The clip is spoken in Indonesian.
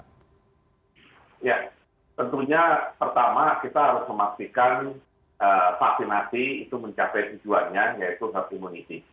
ya tentunya pertama kita harus memastikan vaksinasi itu mencapai tujuannya yaitu herd immunity